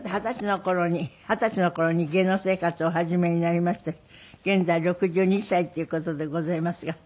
さて二十歳の頃に芸能生活をお始めになりまして現在６２歳という事でございますが。